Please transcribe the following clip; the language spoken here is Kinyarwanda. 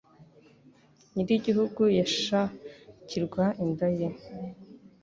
Nyiri igihugu yashakirwa n'inda ye,